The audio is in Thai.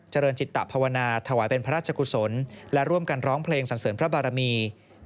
เจริญจิตภาวนาถวายเป็นพระราชกุศลและร่วมกันร้องเพลงสันเสริมพระบารมี